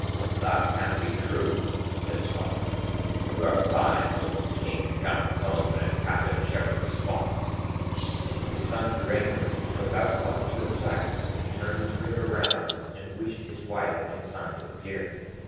'That can't be true,' said his father. 'You are a fine sort of King to come home in a tattered Shepherd's smock.' His son grew angry, and, without stopping to reflect, turned his ring round and wished his wife and son to appear.